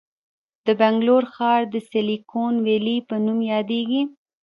د بنګلور ښار د سیلیکون ویلي په نوم یادیږي.